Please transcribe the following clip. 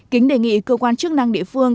kính đề nghị cơ quan chức năng địa phương